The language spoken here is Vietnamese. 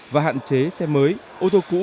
và hạn chế xe mới ô tô cũ